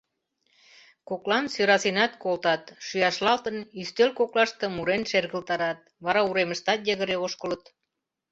Коклан сӧрасенат колтат: шӱяшлалтын, ӱстел коклаште мурен шергылтарат, вара уремыштат йыгыре ошкылыт.